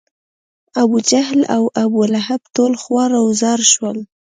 ابوجهل او ابولهب ټول خوار و زار شول.